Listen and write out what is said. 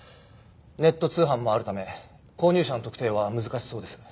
ネット通販もあるため購入者の特定は難しそうです。